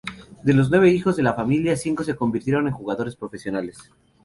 De los nueve hijos de la familia, cinco se convirtieron en jugadores profesionales.